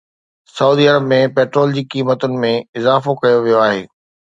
سعودي عرب ۾ پيٽرول جي قيمتن ۾ اضافو ڪيو ويو آهي